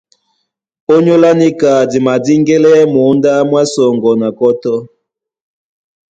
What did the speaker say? Ónyólá níka di madíŋgɛ́lɛ́ mǒndá mwá sɔŋgɔ na kɔ́tɔ́.